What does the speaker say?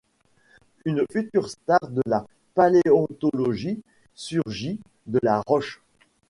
Une future star de la paléontologie surgit de la roche.